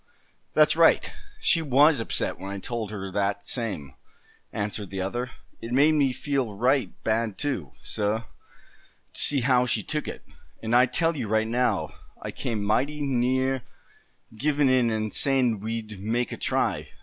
"That's right, she was upset when I told her that same," answered the other. "It made me feel right bad too, suh, to see how she took it; and I tell you right now I came mighty neah givin' in, and sayin' we'd make a try.